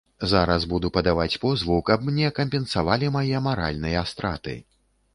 Зараз буду падаваць позву, каб мне кампенсавалі мае маральныя страты.